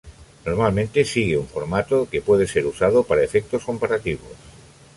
Normalmente sigue un formato que puede ser usado para efectos comparativos.